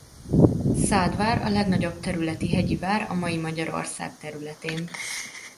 Szádvár a legnagyobb területi hegyi vár a mai Magyarország területén.